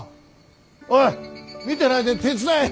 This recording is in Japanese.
おい見てないで手伝え。